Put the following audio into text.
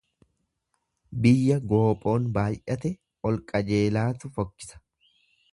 Biyya goophoon baay'ate ol qajeelaatu fokkisa.